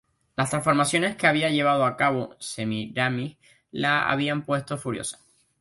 Las transformaciones que había llevado a cabo Semíramis la habían puesto furiosa.